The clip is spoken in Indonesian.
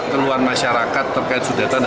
keluar masyarakat terkait sudetan